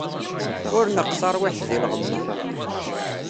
Ur neqq tarwiḥt di lɣemma.